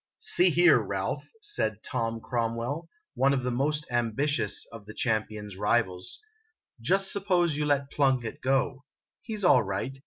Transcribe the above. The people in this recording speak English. " See here, Ralph," said Tom Cromwell, one of the most ambitious of the champion's rivals, "just suppose you let Plunkett go. He 's all right.